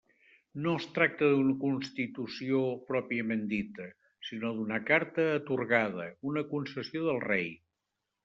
No es tracta d'una constitució pròpiament dita, sinó d'una Carta Atorgada, una concessió del Rei.